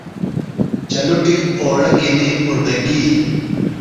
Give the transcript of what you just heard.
چلُٹیۡ اوڑہ گِھنیۡ اُربھےۡ گی